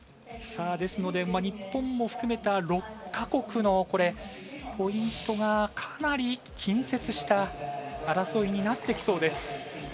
ですので、日本も含めた６か国のポイントがかなり近接した争いになってきそうです。